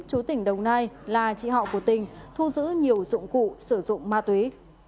chú tỉnh đồng nai là chị họ của tình thu giữ nhiều dụng cụ sử dụng ma túy